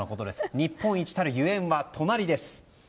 日本一たるゆえんは隣です。